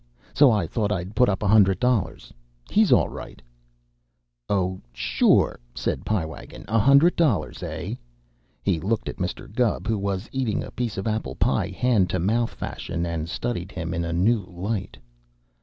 So I thought I'd put up a hundred dollars. He's all right " "Oh, sure!" said Pie Wagon. "A hundred dollars, eh?" He looked at Mr. Gubb, who was eating a piece of apple pie hand to mouth fashion, and studied him in a new light.